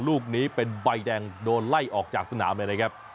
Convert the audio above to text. ลูกนี้เป็นใบแดงโดนไล่ออกจากสนามเลยนะครับ